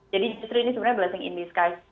jadi justru ini sebenarnya blessing in disguise